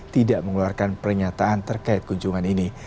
tidak mengeluarkan pernyataan terkait kunjungan ini